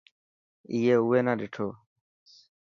اي اوئي نا ڏٺو.